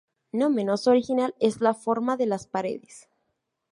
No menos original es la forma de las paredes.